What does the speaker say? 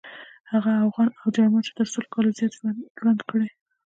هغه اوغان او جرما چې تر سلو کالو زیات ژوند کړی.